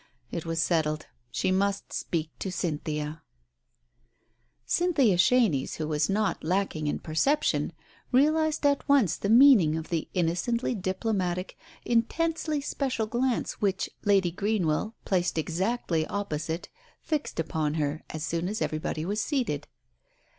It was settled; she must speak to Cynthia ! Cynthia Chenies, who was not lacking in perception, realized at once the meaning of the innocently diplo matic, intensely special glance which Lady Greenwell, placed exactly opposite, fixed upon her, as soon as everybody was seated.